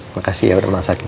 makasih ya udah masakin